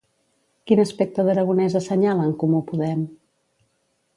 Quin aspecte d'Aragonès assenyala En Comú Podem?